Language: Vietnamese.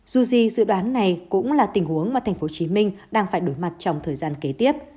dù gì dự đoán này cũng là tình huống mà tp hcm đang phải đối mặt trong thời gian kế tiếp